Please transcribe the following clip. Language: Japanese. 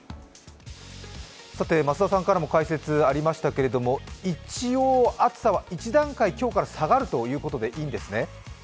増田さんからも解説ありましたけれども一応、暑さは１段階今日から下がるということでいいんですね？